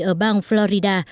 ở bang florida